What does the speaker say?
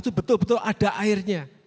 itu betul betul ada airnya